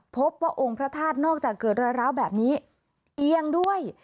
พบว่าองค์พระธาตุนอกจากเกิดรอยร้าวแบบนี้เอียงด้วย